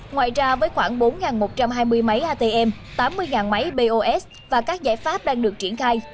ngoài ra với khoảng bốn một trăm hai mươi máy atm tám mươi máy pos và các giải pháp đang được triển khai